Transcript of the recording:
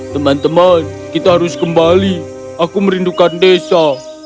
teman teman kita harus kembali aku merindukan desa